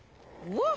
わあ！